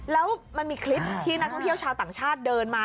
แล้วมันมีคลิปที่นักท่องเที่ยวชาวต่างชาติเดินมา